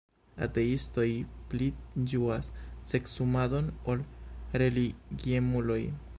Ateistoj pli ĝuas seksumadon ol religiemuloj.